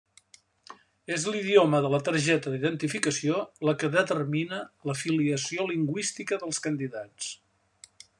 És l'idioma de la targeta d'identificació la que determina la filiació lingüística dels candidats.